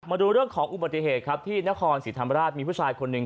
มาดูเรื่องของอุบัติเหตุครับที่นครศรีธรรมราชมีผู้ชายคนหนึ่ง